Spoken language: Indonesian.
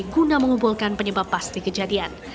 guna mengumpulkan penyebab pasti kejadian